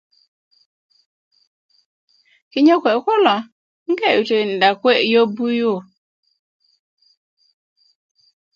kinyo kuwe' kulo na ke' 'yutukinda kuwe yöbu yu